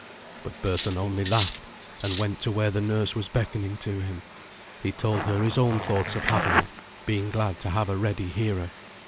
But Berthun only laughed, and went to where the nurse was beckoning to him. He told her his own thoughts of Havelok, being glad to have a ready hearer.